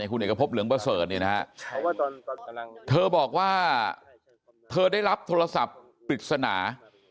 คุณเอกพบเหลืองประเสริฐเนี่ยนะฮะเธอบอกว่าเธอได้รับโทรศัพท์ปริศนา